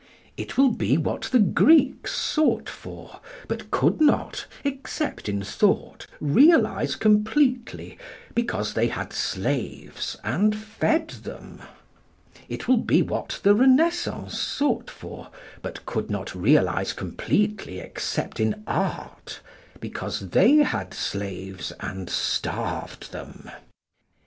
It will be what the Greeks sought for, but could not, except in Thought, realise completely, because they had slaves, and fed them; it will be what the Renaissance sought for, but could not realise completely except in Art, because they had slaves, and starved them.